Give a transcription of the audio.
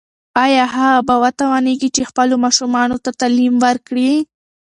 ایا هغه به وتوانیږي چې خپلو ماشومانو ته تعلیم ورکړي؟